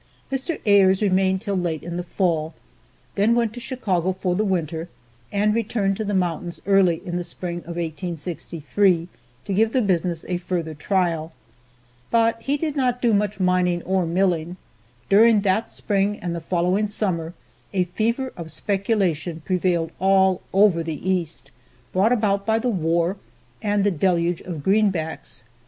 Mr. Ayres remained till late in the fall, then went to Chicago for the winter and returned to the mountains early in the spring of 1863, to give the business a further trial. But he did not do much mining or milling. During that spring and the following summer a fever of speculation prevailed all over the East, brought about by the war and the deluge of greenbacks.